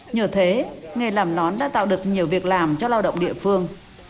nhờ thế nghề làm nón đã tạo được nhiều việc làm cho lao động địa phương